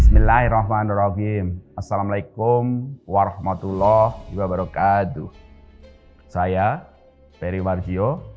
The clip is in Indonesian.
bismillahirrohmanirrohim assalamualaikum warahmatullah wabarakatuh saya peri wargyo